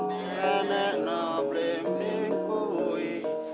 meneh noblim dikui